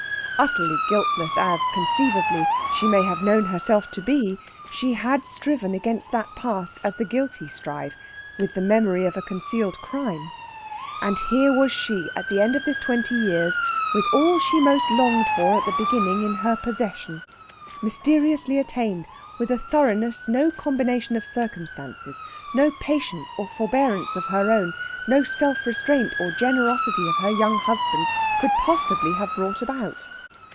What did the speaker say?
Utterly guiltless as, conceivably, she may have known herself to be, she had striven against that past as the guilty strive with the memory of a concealed crime. And here was she, at the end of this twenty years, with all she most longed for at the beginning in her possession, mysteriously attained with a thoroughness no combination of circumstances, no patience or forbearance of her own, no self restraint or generosity of her young husband's could possibly have brought about.